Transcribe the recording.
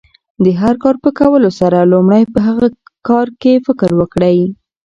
د هر کار په کولو سره، لومړی په هغه کار کښي فکر وکړئ!